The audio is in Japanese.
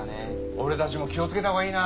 俺たちも気をつけたほうがいいな。